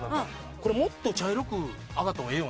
これもっと茶色く揚がってもええよな。